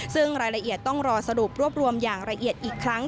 ซึ่งรายละเอียดต้องรอสรุปรวบรวมอย่างละเอียดอีกครั้ง